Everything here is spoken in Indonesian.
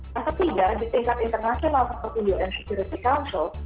yang ketiga di tingkat internasional seperti un security council